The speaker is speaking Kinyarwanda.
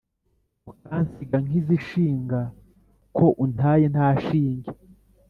Ukansiga nkizishinga Ko untaye nta shinge